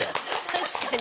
確かに。